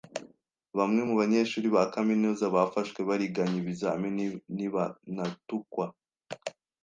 Bamwe mubanyeshuri ba kaminuza bafashwe bariganya ibizamini ntibanatukwa.